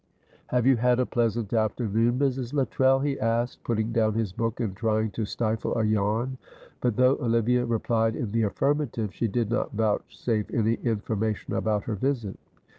"Have you had a pleasant afternoon, Mrs. Luttrell?" he asked, putting down his book, and trying to stifle a yawn; but, though Olivia replied in the affirmative, she did not vouchsafe any information about her visit.